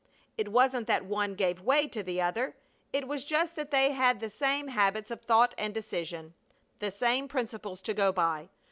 It wasn't that one gave way to the other; it was just that they had the same habits of thought and decision, the same principles to go by.